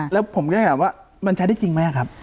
แล้วผมก็ถามว่ามันใช้ได้จริงไหมครับ